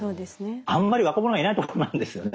あんまり若者がいない所なんですよね。